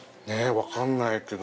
分かんないけど。